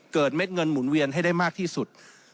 เม็ดเงินหมุนเวียนให้ได้มากที่สุด